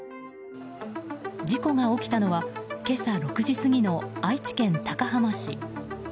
事故が起きたのは今朝６時過ぎの愛知県高浜市。